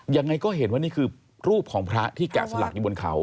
ยังไงก็เห็นว่านี่คือรูปของพระที่แกะสลักอยู่บนเขา